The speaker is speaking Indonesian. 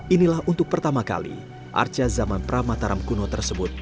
inilah untuk pertama kali arca zaman pramataram kuno tersebut